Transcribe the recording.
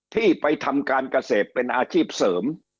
ที่ไปทำการเกษตรเป็นอาชีพเสริม